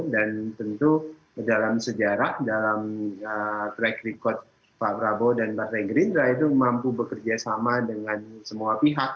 dan tentu dalam sejarah dalam track record pak prabowo dan partai gerindra itu mampu bekerja sama dengan semua pihak